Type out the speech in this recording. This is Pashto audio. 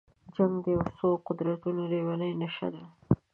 جنګ د یو څو قدرتونو لېونۍ نشه ده.